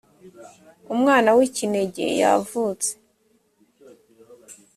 umwana w ikinege yavutse